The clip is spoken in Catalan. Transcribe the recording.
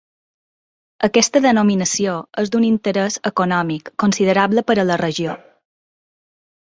Aquesta denominació és d'un interès econòmic considerable per a la regió.